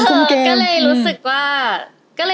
อื้